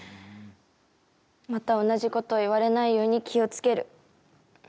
また同じことを言われないように気をつける。